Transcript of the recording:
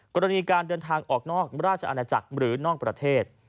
กรณีการเดินทางออกนอกราชอาณาจักรหรือนอกประเทศ